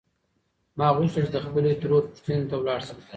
ما غوښتل چې د خپلې ترور پوښتنې ته لاړ شم.